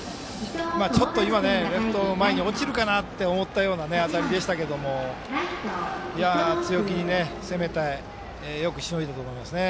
ちょっと今、レフト前に落ちるかな？って思うような当たりでしたけども強気に攻めてよくしのいだと思いますね。